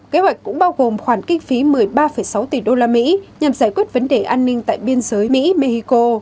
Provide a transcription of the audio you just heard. kế hoạch cũng bao gồm khoản kinh phí một mươi ba sáu tỷ đô la mỹ nhằm giải quyết vấn đề an ninh tại biên giới mỹ mexico